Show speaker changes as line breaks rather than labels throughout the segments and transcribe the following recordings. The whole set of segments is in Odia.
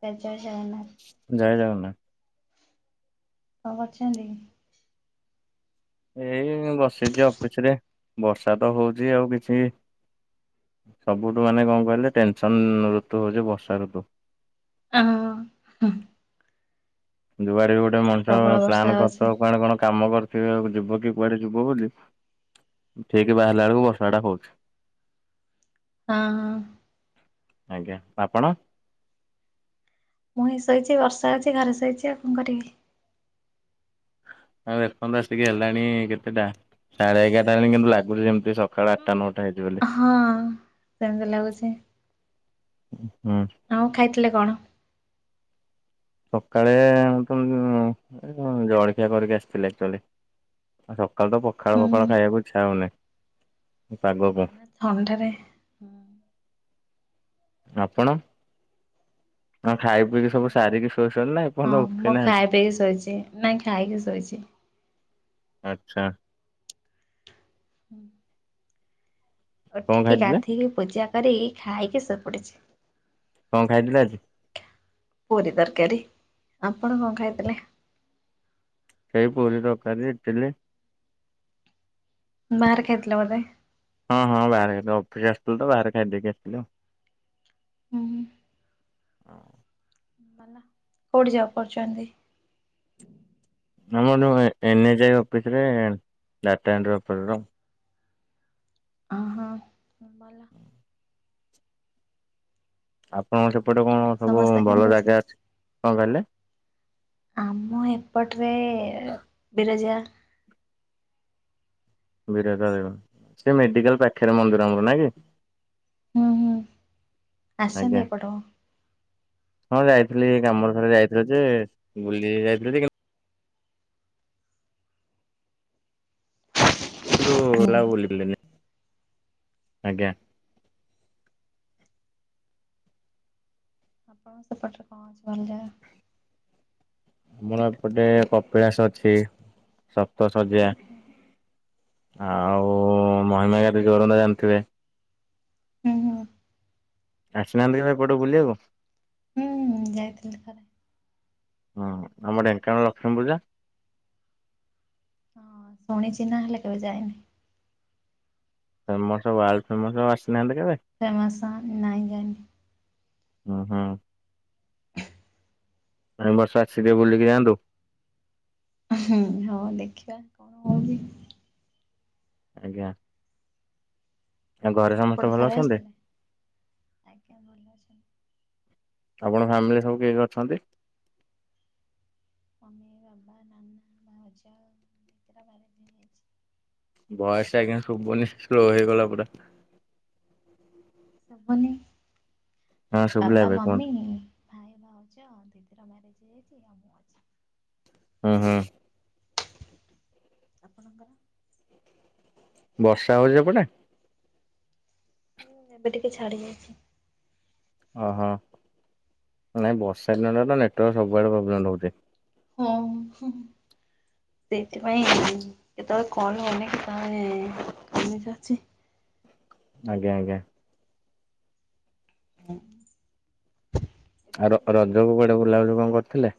ସାର୍ ଜୟ ଜଗନ୍ନାଥ।
ଜୟ ଜଗନ୍ନାଥ।
କଣ କରୁଛନ୍ତି?
ଏଇ ବସିଛି ଅଫିସ୍ ରେ, ବର୍ଷା ତ ହଉଛି ଆଉ କିଛି ସବୁଠୁ ମାନେ କଣ କହିଲେ? ଟେନସନ୍ ଋତୁ ହେଉଛି ବର୍ଷା ଋତୁ।
ଅହ ହୁଁ।
ଯୁଆଡେ ଗୋଟେ ମଣିଷ
ପ୍ରବଳ ବର୍ଷା
ପ୍ଲାନ୍
ହଉଛି
କରିଥିବ କୁଆଡେ କଣ କାମ କରିଥିବେ ଯିବ କି କୁଆଡେ ଯିବ ବୋଲି ଠିକ୍ ବାହାରିଲା ବେଳକୁ ବର୍ଷା ଟା ହଉଛି।
ହଁ ହଁ।
ଆଜ୍ଞା। ଆପଣ?
ମୁଁ ହେଇ ଶୋଇଛି ବର୍ଷା ହଉଛି ଘରେ ଶୋଇଛି ଆଉ କଣ କରିବି?
ଆଉ ଏପନ୍ତ ଆସିକି ହେଲାଣି କେତେଟା ସାଢେ ଏଗାରଟା ହେଲାଣି। କିନ୍ତୁ ଲାଗୁଛି ଯେମିତି ସକାଳ ଆଠଟା ନଅଟା ହେଇଛି ବୋଲି।
ହଁ ସେମିତି ଲାଗୁଛି।
ହୁଁ।
ଆଉ ଖାଇଥିଲେ କଣ?
ସକାଳେ ତ ମୁ ଜଳଖିଆ କରିକି ଆସିଥିଲି ଆକ୍ଚୁଆଲି। ଆଉ ସକାଳ ତ ପଖାଳ
ହୁଁ
ଫଖାଳ
ନା
ଖାଇବାକୁ ଇଚ୍ଛା ହଉନି। ପାଗ କୁ।
ନା ଥଣ୍ଡାରେ ମୁଁ
ଆପଣ? ହଁ ଖାଇ ପିଇକି ସବୁ ସାରିକି ଶୋଇଛନ୍ତି ନାଁ
ହଁ
ଏଫଯ୍ୟନ୍ତ ଉଠେଇ
ମୁଁ ଖାଇ
ନାହାନ୍ତି?
ପିଇକି ଶୋଇଛି ନାଇଁ ଖାଇକି ଶୋଇଛି।
ଆଚ୍ଛା।
[inaudible]
କଣ
ଉଠିକି
ଖାଇଥିଲେ
ଗାଧେଇକି ପୂଜା କରିକି ଖାଇକି ଶୋଇପଡ଼ିଛି।
କଣ ଖାଇଥିଲ ଆଜି?
ପୁରୀ ତରକାରୀ। ଆପଣ କଣ ଖାଇଥିଲେ?
ସେଇ ପୁରୀ ତରକାରୀ, ଇଟିଲି
ବାହାରେ ଖାଇଥିଲ ବୋଧେ?
ହଁ ହଁ ବାହାରେ ଖାଇଥିଲି। ଅଫିସ ଆସିଥିଲୁ ତ ବାହାରେ ଖାଇଦେଇକି ଆସିଥିଲୁ।
ହୁଁ। କୋଉଠି ଜବ୍ କରୁଛନ୍ତି?
ଆମର ନୁହେଁ ଏନ୍ ଏଚ୍ ଆଇ ଅଫିସ୍ ରେ ଡାଟା ଏଣ୍ଟ୍ରି ଓପରେଟର।
ଅହଁ, ମଲା।
ଆପଣଙ୍କ
ଆଉ
ସେପଟେ କଣ
ଘରେ
ସବୁ
ସମସ୍ତେ
ଭଲ
କେମିତି ଅଛନ୍ତି?
ଜାଗା ଅଛି? କଣ କହିଲେ?
ଆମ ଏପଟରେ ବିରଜା
ବିରଜା ଦେବ ସେ ମେଡିକାଲ ପାଖରେ ମନ୍ଦିର ଆମର ନାଇଁ କି?
ଉଁ ହୁଁ,
ଆଜ୍ଞା
ଆସିଛନ୍ତି ଏପଟ?
ହଁ ଯାଇଥିଲି କାମରେ ଥରେ ଯାଇଥିଲି ଯେ ବୁଲି ଯାଇଥିଲି ଟିକେ କିନ୍ତୁ
ହୁଁ।
ବୁଲା ବୁଲିଲିନି ଆଜ୍ଞା।
ଆପଣ ଙ୍କର ସେପଟରେ କଣଅଛି ଭଲ ଜାଗା?
ଆମର ଏପଟେ କପିଳାସ ଅଛି, ସପ୍ତ ଶଯ୍ୟା
ହୁଁ
ଆଉ, ମହିମା ଗାଦି ଜୋରନ୍ଦା ଜାଣିଥିବେ?
ହୁଁ ହୁଁ।
ଆସିନାହାଁନ୍ତି କେବେ ଏପଟେ ବୁଲିବାକୁ?
ହୁଁ ହୁଁ ଯାଇଥିଲି ଥରେ
ହଁ ଆମ ଢେଙ୍କାନାଳ ଲକ୍ଷ୍ମୀ ପୂଜା
ହଁ ଶୁଣିଛି ନା ହେଲେ କେବେ ଯାଇନି
ଫେମସ ୱାର୍ଲଡ ଫେମସ ଆସିନାହାଁନ୍ତି କେବେ?
ଫେମସ ନାଇଜାନି
ହଁ। ଏଇ ବର୍ଷ ଆସିକି ବୁଲିକି ଯାଆନ୍ତୁ?
ହୁଁ ହଁ ଦେଖିବା କଣ ହଉଛି
ଆଜ୍ଞା। ଆଉ ଘରେ
ଆପଣ ଏପଟେ
ସମସ୍ତେ ଭଲ
ଥରେ
ଅଛନ୍ତି?
ଆସିଥିଲେ? ଆଜ୍ଞା ଭଲ ଅଛିନ୍ତି।
ଆପଣଙ୍କ ଫ୍ୟାମିଲିରେ ସବୁ କିଏ କିଏ ଅଛନ୍ତି?
ମମି ବାବା ନାନା ଭାଉଜ ପୁରା ଫାମିଲି ଅଛନ୍ତି।
ଭୟସ ଆଜ୍ଞା ସୁୁଭୁନି ସ୍ଲୋ ହେଇଗଲା ପୁରା?
ସବୁନି
ହଁ ଶୁଭିଲା
ବାବା
ଏବେ
ମମି
କୁହନ୍ତୁ
ଭାଇ ଭାଉଜ ଦିଦିର ମ୍ୟାରେଜ ହେଇଯାଇଛି ଆଉ ମୁଁ ଅଛି।
ହୁଁ।
ଆପଣଙ୍କର?
ବର୍ଷା ହଉଛି ସେପଟେ?
ଏବେ ଟିକେ ଛାଡି ଯାଇଛି।
ଅ ହଁ ନାଇଁ ବର୍ଷା ଦିନରେ ତ ନେଟୱାର୍କ ସବୁଆଡ଼େ ପ୍ରୋବ୍ଲେମ୍ ରହୁଛି।
ଉଁ ହୁଁ ସେଇଥିପାଇଁ କେତେବେଳେ କଣ ଅନେକ ନହେଲେ ଇମେଜ ଅଛି।
ଆଜ୍ଞା ଆଜ୍ଞା
ହୁଁ।
ଆର ରଜ କୁ କୁଆଡେ ବୁଲାବୁଲି କଣ କରିଥିଲେ?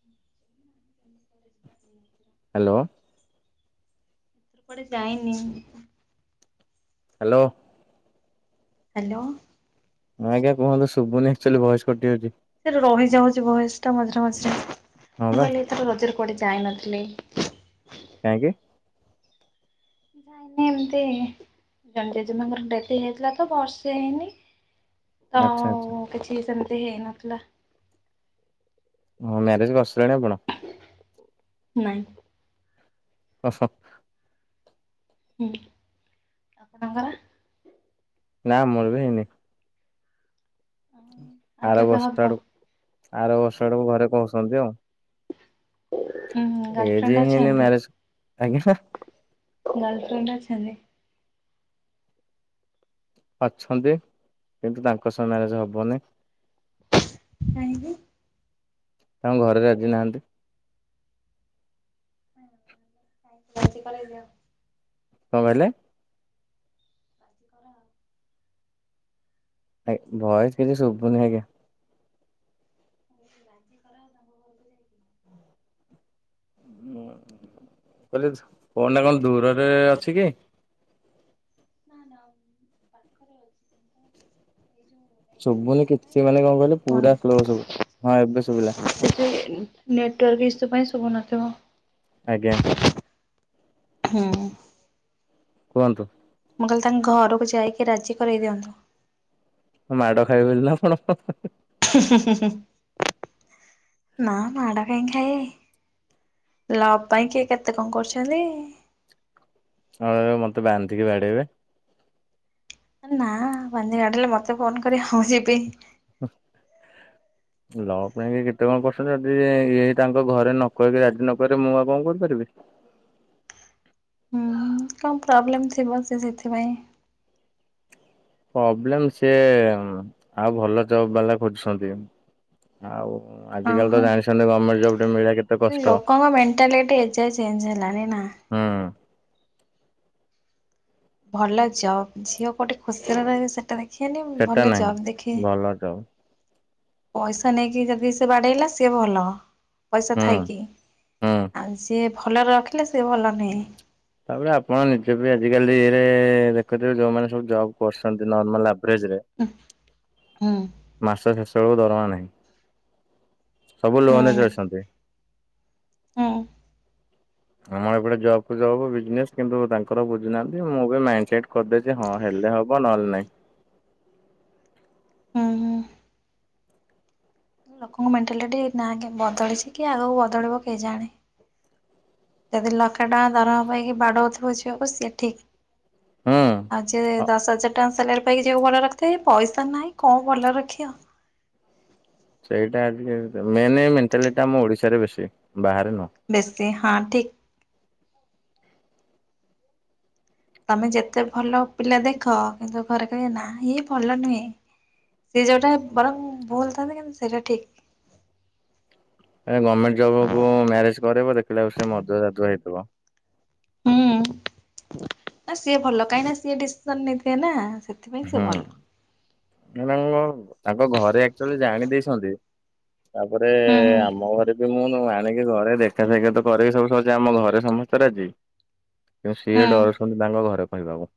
[unintelligible]
ହେଲୋ
ଏଥର କୁଆଡେ ଯାଇନି
ହେଲୋ
ହେଲୋ।
ହଁ ଆଜ୍ଞା କୁହନ୍ତୁ ଶୁଭୁନି ଆକ୍ଚୁଆଲି ଭୟସ କଟିଯାଉଛି।
ସେ ରହିଯାଉଛି ଭୟସ ଟା ମଝିରେ ମଝିରେ,
ହଁ
ମୁଁ
ବା।
କହିଲି ଏଥର ରଜରେ କୁଆଡେ ଯାଇନଥିଲି।
କାହିଁକି?
ମାନେ ଏମିତି। ଜେଜେମାଙ୍କର ଡେଥ୍ ହେଇଥିଲା ତ ବର୍ଷେ ହେଇନି।
ଆଚ୍ଛା ଆଚ୍ଛା
ହଁ କିଛିି ସେମିତି ହେଇନଥିଲା।
ଓ ମ୍ୟାରେଜ୍ କରିସାରିଲେଣି ଆପଣ?
ନାଇଁ।
ତଶ।
ହୁଁ ଆପଣଙ୍କର?
ନା ମୋର ବି ହେଇନି।
ଆଉ
ଆର
କେବେ ହବ
ବର୍ଷ
ଉଁ
ଆଡକୁ ଆର ବର୍ଷ ଆଡକୁ ଘରେ କହୁସନ୍ତି ଆଉ।
ଉଁ ହୁଁ
ଏଜ
ଗାର୍ଲଫ୍ରେଣ୍ଡ
ହିଁ ହେଇନି
ଅଛନ୍ତି
ମ୍ୟାରେଜ ଆଜ୍ଞା
ଗାର୍ଲଫ୍ରେଣ୍ଡ ଅଛନ୍ତି?
ଅଛନ୍ତି କିନ୍ତୁ ତାଙ୍କ ସହ ମ୍ୟାରେଜ ହବନି।
କାହିଁକି?
ତାଙ୍କ ଘରେ ରାଜି ନାହାନ୍ତି।
ରାଜି କରେଇଦିଅ?
କଣ କହିଲେ?
ରାଜି କରାଅ।
ଭଏସ୍ କିଛି ଶୁଭୁନି ଆଜ୍ଞା।
ରାଜି କରାଅ ତାଙ୍କ ଘରେ?
କହିଲି ଫୋନ୍ ଟା କଣ ଦୂରରେ ଅଛି କି?
ନା ନା ପାଖରେ ଅଛି କିନ୍ତୁ ଏଇ ଯୋଉ [inaudible]
ଶୁବୁନି
ଇସୁ ପାଇଁ
କିଛି ମାନେ କଣ କହିଲେ ପୁରା ସ୍ଲୋ ଶୁବୁ ହଁ ଏବେ ଶୁଭିଲା।
ସେ ଯେ ନେଟୱାର୍କ ଇସୁ ପାଇଁ ଶୁଭୁନଥିବ।
ଆଜ୍ଞା।
ହୁଁ।
କୁହନ୍ତୁ।
ମୁଁ କହିଲି ତାଙ୍କ ଘରକୁ ଯାଇକି ରାଜି କରେଇ ଦିଅନ୍ତୁ।
ମୁଁ ମାଡଖାଇବି ବଲି ନା କଣ?
ହୁଁ-ହୁଁ-ହୁଁ-ହୁଁ ନା ମାଡ଼ କାଇଁ ଖାଇବେ। ଲଭ୍ ପାଇଁ କିଏ କେତେ କଣ କରୁଚନ୍ତି।
ହଁ ରେ ମତେ ବାନ୍ଧିକି ବାଡେଇବେ।
ନା ବାନ୍ଧି କି ବାଡେଇଲେ ମତେ ଫୋନ କରିବ ମୁଁ ଯିବି। ହ
ଲଭ ପାଇଁ କେତେ କଣ କରୁଚନ୍ତି। ଯଦି ଇଏ ତାଙ୍କ ଘରେ ନ କହିକି ରାଜି ନ କରିବ। ମୁଁ ଆଉ କଣ କରିପାରିବି?
ଉଁ କଣ ପ୍ରୋବ୍ଲେମ୍ ଥିବ ସେ ସେଥିପାଇଁ
ପ୍ରୋବ୍ଲେମ ସିଏ ଆଉ ଭଲ ଜବ୍ ବାଲା ଖୋଜୁଛନ୍ତି। ଆଉ ଆଜି କାଲି ତ
ଓହୋ
ଜାଣିଛନ୍ତି ଗମେଣ୍ଟ ଜବ୍ ଟେ ମିଳିବା କେତ୍
ଲୋକଙ୍କ ମେଣ୍ଟାଲିଟି ଏଯାଏଁ ଚେଞ୍ଜ ହେଲାଣି ନା?
ହୁଁ।
ଭଲ ଜବ୍ ଝିଅ କୋଉଠି ଖୁସିରେ ରହିବେ ସେଟା ଦେଖିବେନି
ସେଟା
ଭଲ
ନାହିଁ
ଜବ୍ ଦେଖିବେ।
ଭଲ ଜବ୍।
ପଇସା ନେଇକି ଯଦି ସେ ବାଡେଇଲା ସିଏ ଭଲ। ପଇସା
ହୁଁ
ଥାଇକି।
ହୁଁ।
ଆଉ ସିଏ ଭଲରେ ରଖିଲେ ସିଏ ଭଲ ନୁହେଁ।
ତା ପରେ ଆପଣ ନିଜେ ବି ଆଜିକାଲି ଇଏରେ ଦେଖୁଥିବେ ଯୋଉମାନେ ସବୁ ଜବ୍ କରୁଚନ୍ତି ନର୍ମାଲ ଆଭରେଜ ରେ
ଉଁ ହୁଁ।
ମାସ ଶେଷ ବେଳକୁ ଦରମା ନାହିଁ। ସବୁ ଲୋନ୍ ରେ ଚଳୁଚନ୍ତି।
ହଁ।
ଆମର ଏପଟେ ଜବ୍ କୁ ଜବ୍ ବିଜନେସ୍ କିନ୍ତୁ ତାଙ୍କର ବୁଝୁନାହାଁନ୍ତି ମୁଁ ବି ମାଇଣ୍ଡ ସେଟ୍ କରିଦେଇ ଯେ ହଁ ହେଲେ ହବ ନହେଲେ ନାଇଁ।
ହୁଁ ହୁଁ। ଲୋକଙ୍କ ମେଣ୍ଟାଲିଟି ନା ଆକେ ବଦଳିଚି କି ଆଗକୁ ବଦଳିବ କେ ଜାଣେ? ଯଦି ଲଖେ ଟଙ୍କା ଦରମା ପାଇକି ବାଡଉଥିବ ଝିଅକୁ ସିଏ ଠିକ।
ହୁଁ
ଆଜି ଯିଏ
ହଁ
ଦଶ ହଜାର ଟଙ୍କା ସାଲେରି ପାଇକି ଝିଅକୁ ଭଲ ରେ ରଖିଥାଏ। ପଇସା ନାହିଁ କଣ ଭଲ ରେ ରଖିବ?
ସେଇଟା ଆଜି [unintelligible] ମେନ ଏ ମେଣ୍ଟାଲିଟା ଆମ ଓଡିଶାରେ ବେଶୀ ବାହାରେ ନୁହଁ?
ବେଶି ହଁ ଠିକ। ତମେ ଯେତେ ଭଲ ପିଲା ଦେଖ କିନ୍ତୁ ଘରେ କହେ ନା ଇଏ ଭଲ ନୁହେଁ। ସିଏ ଯୋଉଟା ବରଂ ଭୁଲଥାନ୍ତୁ କିନ୍ତୁ ସେଇଟା ଠିକ।
ଏଆ ଗମେଣ୍ଟ ଜବକୁୁ ମ୍ୟାରେଜ କରେଇବ ଦେଖିଲା କୁ ସେ ମଦୁଆ ରାଦୁଆ ହେଇଥିବ।
ହୁଁ ନା ସିଏ ଭଲ କାହିଁ ନା ସିଏ ଡିସିସନ ନେଇଥିବେ ନା ସେତ୍
ହୁଁ ମୁଁ ତାଙ୍କ ତାଙ୍କ ଘରେ ଆକ୍ଚ୍ୟୁଏଲି ଜାଣି ଦେଇଛନ୍ତି। ତା ପରେ
ହୁଁ ହୁଁ
ଆମ ଘରେ ବି ମୁଁ ନୁ ଆଣିକି ଘରେ ଦେଖା ସାକ୍ଷାତ ତ କରିକି ସବୁ ସରିଚି ଆମ ଘରେ ସମସ୍ତେ ରାଜି। କିନ୍ତୁ ସିଏ
ହୁଁ।
ଡରୁଛନ୍ତି ତାଙ୍କ ଘରେ କହିବାକୁ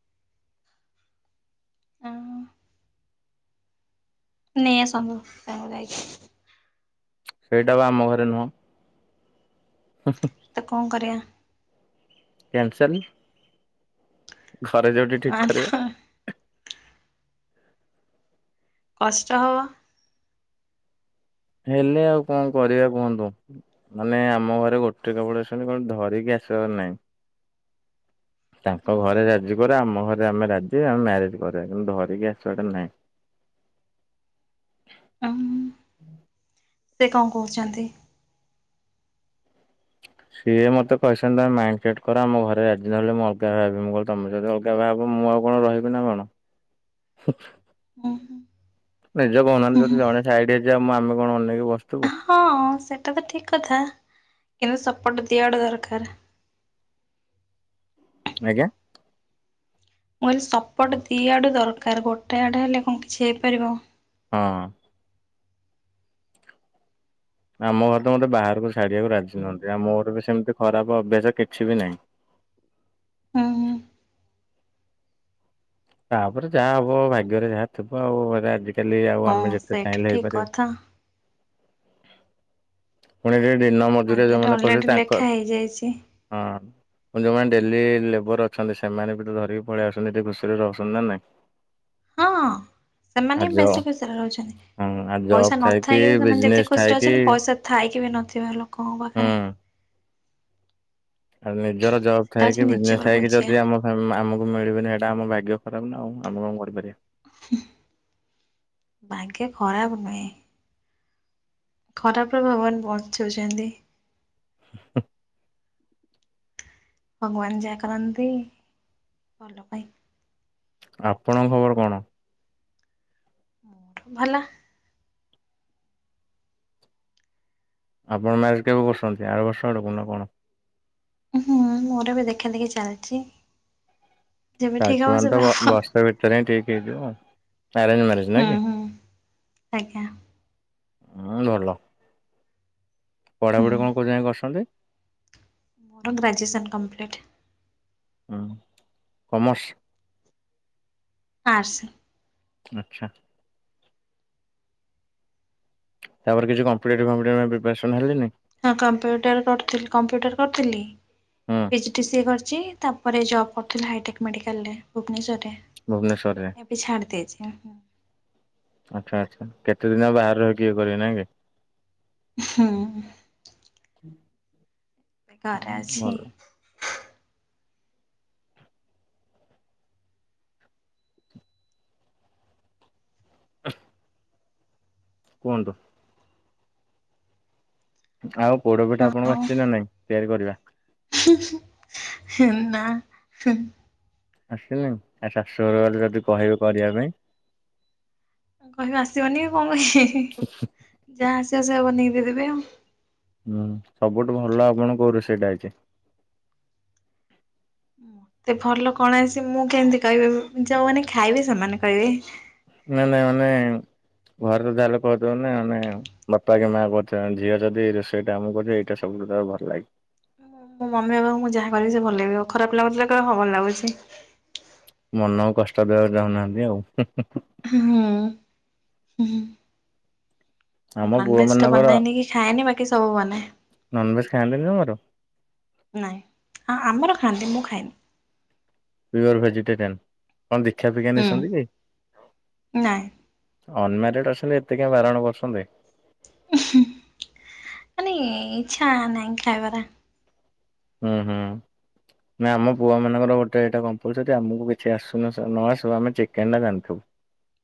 ନେଇ ଆସନ୍ତୁ ତାଙ୍କୁ ଯାଇକି।
ସେଇଟା ବା ଆମ ଘରେ ନୁହଁ। ହୁ ହୁଁ
ତ କଣ କରିବା?
କ୍ୟାନସେଲ। ଘରେ ଯୋଉଠି ଠିକ୍ କରିବେ।
ଆଲୋ କଷ୍ଟ ହବ।
ହେଲେ ଆଉ କଣ କରିବା କୁହନ୍ତୁ? ମାନେ ଆମ ଘରେ ଗୋଟେ କେବଳ [unintelligible] କଣ ଧରିକି ଆସିବାର ନାହିଁ।
[inaudible]
ତାଙ୍କ ଘରେ ରାଜି କରା ଆମ ଘରେ ଆମେ ରାଜି ଆମେ ମ୍ୟାରେଜ କରିବା କିନ୍ତୁ ଧରିକି ଆସିବାଟା ନାହିଁ।
ଓ ସେ କଣ କହୁଛନ୍ତି?
ସିଏ ମତେ କହିଛନ୍ତି ତମେ ମାଇଣ୍ଡ ସେଟ କର ଆମ ଘରେ ରାଜି ନହଲେ [unintelligible] [unintelligible] ମୁଁ ଆଉ କଣ ରହିବି ନା କଣ?
ହୁଁ
ନିଜ କହୁନାହାନ୍ତି ଯଦି
ହୁଁ
ଜଣେ ସାଇଡ ହେଇଯିବ ମୁ ଆମେ କଣ ଅନେଇକି ବସିଥିବୁ।
ହଁ ସେଟା ତ ଠିକ କଥା କିନ୍ତୁ ସପୋର୍ଟ ଦିଆଡୁ ଦରକାର।
ଆଜ୍ଞା।
ମୁଁ କହିଲି ସପୋର୍ଟ ଦିଇ ଆଡ଼ୁ ଦରକାର ଗୋଟେ ଆଡ଼େ ହେଲେ କଣ କିଛି ହେଇପାରିବ।
ହଁ। ଆମ ଘର ତ ମୋତେ ବାହାରକୁ ଛାଡ଼ିବାକୁ ରାଜି ନୁହଁନ୍ତି ଆଉ ମୋର ବି ସେମିତି ଖରାପ ଅଭ୍ୟାସ କିଛି ବି ନାହିଁ।
ହୁଁ ହୁଁ
ତାପରେ ଯାହା ହବ।
ହଁ ସେଇଟା ଠିକ କଥା।
ପୁଣି ଯିଏ ଦିନ ମଜୁରିଆ
ଭାଗ୍ୟରେ
ଯୋଉମାନେ କରୁଛନ୍ତି
ଅଲରେଡି
ତାଙ୍କ
ଲେଖା ହେଇଯାଇଛି
ହଁ। ଯୋଉମାନେ ଡେଲି ଲେବର ଅଛନ୍ତି ସେମାନେ ବି ତ ଧରିକି ପଳେଇ ଆସୁଛନ୍ତି ଟିକେ ଖୁସିରେ ରହୁଛନ୍ତି ନା ନାଇଁ।
ହଁ।
ଆ
ସେମାନେ
ଜବ
ବେଶୀ ଖୁସିରେ ରହୁଛନ୍ତି
ହଁ ଆ ଜବ୍
ପଇସା
ଥାଇକି
ନଥାଇକି ବି ସେମାନେ
ବିଜନେସ୍
ଯେତିକି ଖୁସିରେ
ଥାଇକି
ଅଛନ୍ତି ପଇସା ଥାଇକି ବି ନଥିବା ଲୋକଙ୍କ
ହୁଁ
ପାଖରେ
ଆଉ ନିଜର ଜବ୍
ସେଟା
ଥାଇକି
ହଉଛି
ବିଜନେସ୍
ନିଜର
ଥାଇକି
ବୁଝିବା
ଯଦି ଆମ ହ ଆମକୁ ମିଳିବନି ହେଇଟା ଆମ ଭାଗ୍ୟ ଖରାପ ନା ଆଉ ଆମେ କଣ କରିପାରିବା?
ଭାଗ୍ୟ ଖରାପ ନୁହେଁ। ଖରାପର ଭଗବାନ୍ ବଞ୍ଚଉଛନ୍ତି।
[inaudible]
ଭଗବାନ ଯାହା କରନ୍ତି ଭଲ ପାଇଁ।
ଆପଣଙ୍କ ଖବର କଣ?
ଭଲ।
ଆପଣ ମ୍ୟାରେଜ୍ କେବେ କରୁଛନ୍ତି ଆର ବର୍ଷ ଆଡ଼କୁ ନା କଣ?
ହୁଁ ମୋର ଏବେ ଦେଖା ଦେଖି ଚାଲିଛି। ଯେବେ ଠିକ
ଚାଲିଛି
ହବ
ମାନେ ତ
ସେବେ
ବ
ହବ
ବସ୍ ର୍ଷେ ଭିତରେ ହିଁ ଠିକ ହେଇଯିବ ଆରେଞ୍ଜ ମ୍ୟାରେଜ ନା
ହୁଁ
କି?
ହୁଁ। ଆଜ୍ଞା
ହୁଁ ଭଲ। ପଢ଼ା
ହୁଁ
ପଢ଼ି କଣ କୋଉ ଯାକେ କରିଛନ୍ତି?
ମୋର ଗ୍ରାଜୁଏସନ୍ କମ୍ପ୍ଲିଟ୍।
ହଁ କମର୍ସ?
ଆର୍ଟ୍ସ।
ଆଚ୍ଛା। ତାପରେ କିଛି କମ୍ପିଟେଟିଭ ଫମ୍ପିଟେଟିଭ ପାଇଁ ପ୍ରିପାରେସନ୍ ହେଲେନି?
ହଁ କମ୍ପ୍ୟୁଟର କରୁଥିଲି କମ୍ପ୍ୟୁଟର କରିଥିଲି।
ହୁଁ।
ପିଜିଟିସିଏ କରିଛି, ତାପରେ ଜବ୍ କରୁଥିଲି ହାଇଟେକ୍ ମେଡ଼ିକାଲରେ ଭୁବନେଶ୍ୱରରେ।
ଭୁବନେଶ୍ୱରରେ।
ଏବେ ଛାଡ଼ି ଦେଇଛି।
ଆଚ୍ଛା ଆଚ୍ଛା କେତେ ଦିନ ଆଉ ବାହାରେ ରହିକି ଇଏ କରିବେ ନାଇଁ କି।
ହୁଁ।
[inaudible]
ଘରେ ଅଛି।
ଭଲ [inaudible] କୁହନ୍ତୁ। ଆଉ ପୋଡ଼ ପିଠା ଆପଣଙ୍କୁ
ହଁ
ଆସିଛି ନା ନାଇଁ ତିଆରି କରିବା?
ନା।
ଆସିନି ଆ ଶାଶୁ ଘର ଗଲେ ଯଦି କହିବେ କରିବା ପାଇଁ।
କହିବି ଆସିବନି ଆଉ କଣ କହିବି। ଯାହା ଆସିବ ସେଇଆ ବନେଇକି ଦେଇଦେବି ଆଉ।
ହୁଁ ସବୁଠୁ ଭଲ ଆପଣ କୋଉ ରୋଷେଇଟା ଆଇଛି?
ମତେ ଭଲ କଣ ଆସିଚି ମୁଁ କେମିତି କହିବି ଯୋଉମାନେ ଖାଇବେ ସେମାନେ କହିବେ।
ନାଇଁ ନାଇଁ ମାନେ ଘର ତ ଯାହା ହେଲେ କହୁଥିବେ ନା ମାନେ ବାପା କି ମାଆ କହୁଥିବେ ଝିଅ ଯଦି ଏ ରୋଷେଇଟା ଆମକୁ ଏଇଟା ସବୁ ଭଲ ଲାଗେ।
ମୋ ମମି ବାବାଙ୍କୁ ମୁଁ ଯାହା କରିବି ସେ ଭଲ ଲାଗିବ। ଖରାପ ଲାଗୁଥିଲେ କହିବେ ଭଲ ଲାଗୁଛି।
ମନକୁ କଷ୍ଟ ଦେବାକୁ ଚାହୁନାହାନ୍ତି ଆଉ।
ହୁଁ ହୁଁ। ମୁଁ
ଆମ ପୁଅ
ନନଭେଜ୍ ଟା
ମାନଙ୍କର
ବନାଏନି କି ଖାଏନି ବାକି ସବୁ ବନାଏ।
ନନଭେଜ ଖାଆନ୍ତିନି ଜମାରୁ
ନାଇଁ ହଁ ଆମର ଖାଆନ୍ତି ମୁଁ ଖାଏନି।
ପିଓର ଭେଜିଟେରିଆନ୍ କଣ ଦୀକ୍ଷା ଫିକ୍ଷା ନେଇଛନ୍ତି
ହୁଁ
କି?
ନାଇଁ
ଅନ୍ ମ୍ୟାରେଡ ଅଛନ୍ତି ଏତେ କାଇଁ ବାରଣ କରୁଛନ୍ତି।
ଉହୁଁ ମାନେ ଇଚ୍ଛା ନାହିଁ ଖାଇବାରେ।
ହୁଁ ହୁଁ। ନାଇଁ ଆମ ପୁଅ ମାନଙ୍କର ଗୋଟେ ଏଇଟା କମ୍ପଲ୍ସରି। ଆମକୁ କିଛି ଆସୁ ନ ଆସୁ ଆମେ ଚିକେନ ଟା ରାନ୍ଧିଦବୁ।